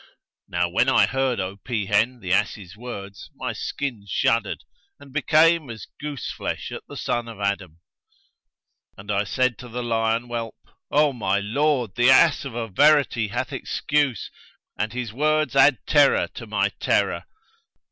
Now when I heard, O peahen, the ass's words, my skin shuddered, and became as gooseflesh at the son of Adam; and I said to the lion whelp, 'O my lord, the ass of a verity hath excuse and his words add terror to my terror.'